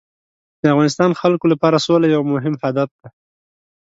د افغانستان خلکو لپاره سوله یو مهم هدف دی.